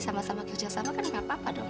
sama sama kerja sama kan gak apa apa dong